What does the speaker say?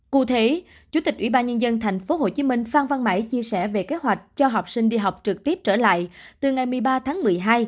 cụ thể chủ tịch ubnd tp hcm phan văn mãi chia sẻ về kế hoạch cho học sinh đi học trực tiếp trở lại từ ngày một mươi ba tháng một mươi hai